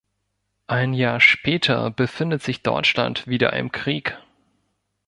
Ein Jahr später befindet sich Deutschland wieder im Krieg.